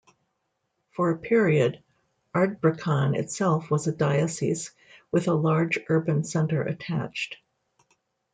For a period, Ardbraccan itself was a diocese, with a large urban centre attached.